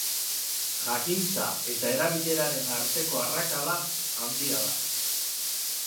Jakintza eta erabileraren arteko arrakala handia da.